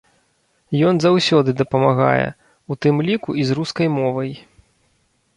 Ён заўсёды дапамагае, у тым ліку і з рускай мовай.